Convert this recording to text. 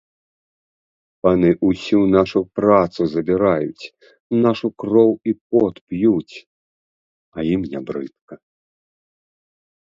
Паны ўсю нашу працу забіраюць, нашу кроў і пот п'юць, а ім не брыдка.